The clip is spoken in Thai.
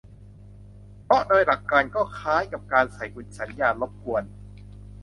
เพราะโดยหลักการ ก็คล้ายกับการใส่สัญญาณรบกวน